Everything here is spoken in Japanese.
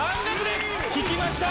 引きました。